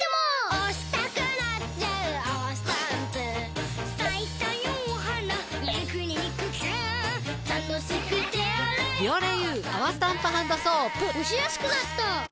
おしやすくなった！